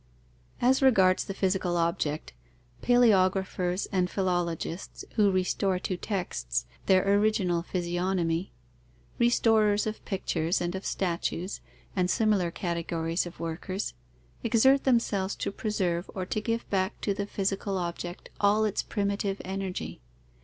_ As regards the physical object, paleographers and philologists, who restore to texts their original physiognomy, restorers of pictures and of statues, and similar categories of workers, exert themselves to preserve or to give back to the physical object all its primitive energy.